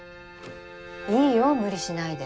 いいよ無理しないで。